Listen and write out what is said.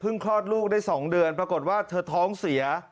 คลอดลูกได้๒เดือนปรากฏว่าเธอท้องเสีย